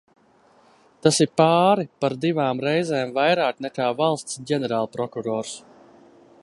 Tas ir pāri par divām reizēm vairāk nekā valsts ģenerālprokurors.